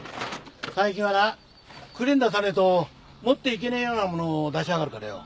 最近はなクレーン出さねえと持っていけねえようなもの出しやがるからよ。